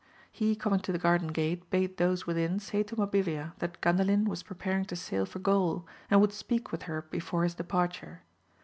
He coming to the garden gate bade those within say to Mabilia that Gandalin was preparing to sail for Gaul, and would speak with her before his departure.